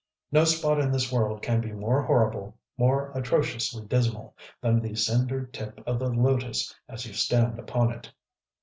No spot in this world can be more horrible, more atrociously dismal, than the cindered tip of the Lotos as you stand upon it.